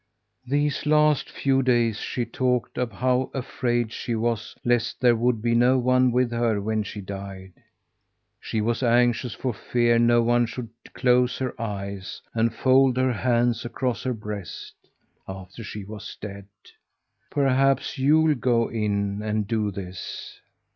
These last few days she talked of how afraid she was lest there would be no one with her when she died. She was anxious for fear no one should close her eyes and fold her hands across her breast, after she was dead. Perhaps you'll go in and do this?"